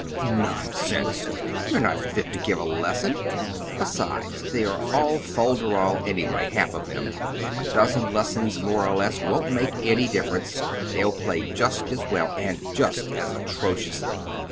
"Nonsense! You're not fit to give a lesson. Besides, they are all folderol, anyway, half of them. A dozen lessons, more or less, won't make any difference; they'll play just as well and just as atrociously.